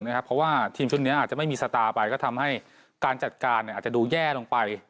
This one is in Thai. เพราะว่าทีมชุดนี้อาจจะไม่มีสตาร์ไปก็ทำให้การจัดการอาจจะดูแย่ลงไป